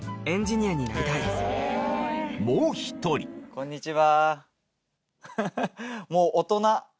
こんにちは。